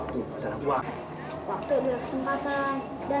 kita punya kesempatan dan dari kesempatan itulah kita bisa memproyek semuanya